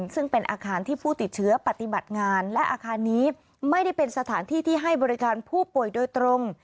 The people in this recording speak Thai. ซึ่งเป็นอาคารที่ผู้ติดเชื้อปฏิบัติงานและอาคารนี้ไม่ได้เป็นสถานที่ที่ให้บริการผู้ป่วยโดยตรง